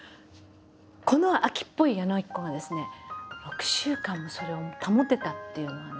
この飽きっぽい矢野顕子がですね６週間もそれを保てたっていうのはねすごいことだと。